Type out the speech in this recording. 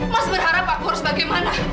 mas berharap aku harus bagaimana